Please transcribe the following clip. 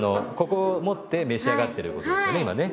ここを持って召し上がってることですよね